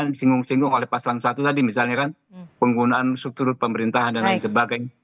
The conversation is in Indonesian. yang disinggung singgung oleh paslon satu tadi misalnya kan penggunaan struktur pemerintahan dan lain sebagainya